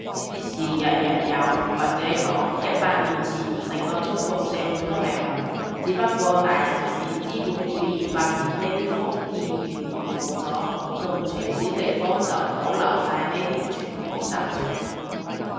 其實呢啲事日日有，或者講，一百年前成個中國社會都係噉，只不過大城市資本主義發展呢啲封建餘孽冇咗，農村小地方就保留晒呢啲傳統習俗